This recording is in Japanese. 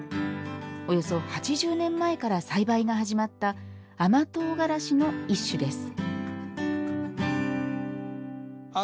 およそ８０年前から栽培が始まった甘とうがらしの一種です。